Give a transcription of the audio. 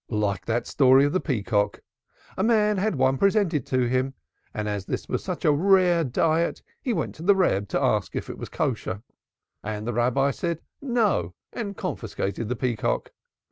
"Like that story of the peacock. A man had one presented to him, and as this is such rare diet he went to the Reb to ask if it was kosher. The Rabbi said 'no' and confiscated the peacock.